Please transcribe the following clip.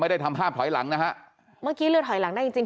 ได้ทำภาพถอยหลังนะฮะเมื่อกี้เรือถอยหลังได้จริงจริง